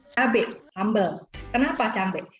cabai sambal kenapa cabai